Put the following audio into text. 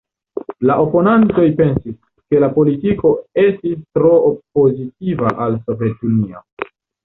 La oponantoj pensis, ke la politiko estis tro pozitiva al Sovetunio.